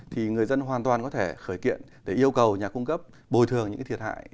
thì người dân hoàn toàn có thể khởi kiện để yêu cầu nhà cung cấp bồi thường những thiệt hại